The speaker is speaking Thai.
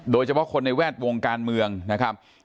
โดยเฉพาะคนในแวดวงการเมืองนะครับ